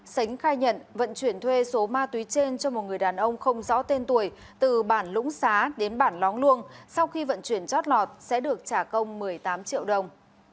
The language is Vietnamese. sánh khai nhận vận chuyển thuê số ma túy trên cho một người đàn ông không rõ tên tuổi từ bản lũng xá đến bản lóng luông sau khi vận chuyển chót lọt sẽ được trả công một mươi tám triệu đồng